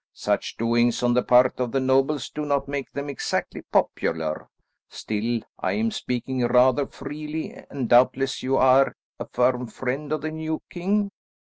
Such doings on the part of the nobles do not make them exactly popular. Still, I am speaking rather freely, and doubtless you are a firm friend of the new king?"